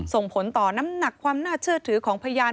ส่งผลต่อน้ำหนักความน่าเชื่อถือของพยาน